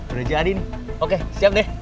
udah jadi nih oke siap deh